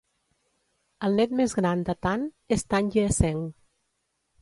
El net més gran de Tan és Tan Yee Seng.